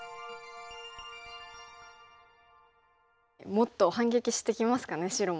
もっと反撃してきますかね白も。